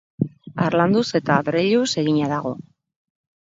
Harlanduz eta adreiluz egina dago.